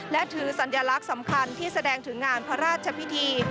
และถือสัญลักษณ์สำคัญที่แสดงถึงงานพระราชพิธี